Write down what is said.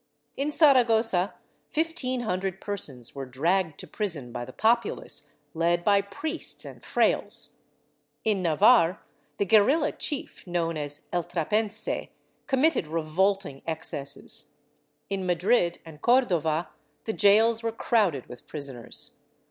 In Saragossa fifteen hundred persons were dragged to prison by the populace led by priests and frailes. In Navarre, the guerrilla chief known as el Trapense committed revolting excesses. In Madrid and Cordova the gaols were crowded with prisoners.